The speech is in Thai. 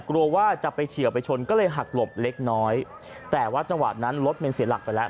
กลัวว่าจะไปเฉียวไปชนก็เลยหักหลบเล็กน้อยแต่ว่าจังหวะนั้นรถมันเสียหลักไปแล้ว